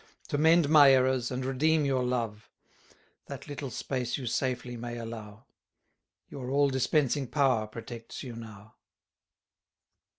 To mend my errors, and redeem your love: That little space you safely may allow; Your all dispensing power protects you now.